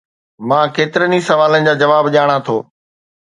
مان ڪيترن ئي سوالن جا جواب ڄاڻان ٿو